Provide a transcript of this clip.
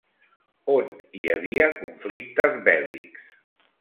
On hi havia conflictes bèl·lics?